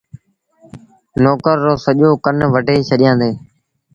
نوڪر رو سڄو ڪن وڍي ڇڏيآندي۔